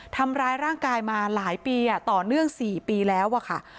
ทำร้ายร่างกายมาหลายปีต่อเนื่อง๔ปีแล้วอะค่ะ